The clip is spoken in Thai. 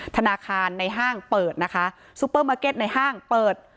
ธนาคารในห้างเปิดนะคะซูเปอร์มาร์เก็ตในห้างเปิด